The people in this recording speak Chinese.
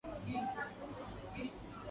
他曾出演过五十部以上的电影。